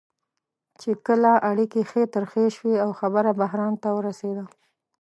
چې کله اړیکې ښې ترخې شوې او خبره بحران ته ورسېده.